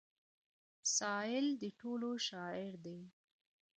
سايل د ټولو شاعر دی.